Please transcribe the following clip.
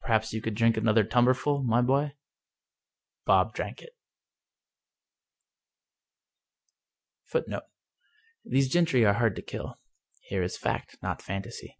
Perhaps you could drink another tumblerful, my boy ?" Bob drank it! FOOTNOTE "Those gentry are hard to kill." Here is fact, not fantasy.